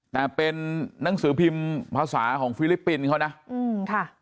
แต่เป็นนังสือพิมพ์ภาษาของฟิลิปปินส์เขานะอืมค่ะ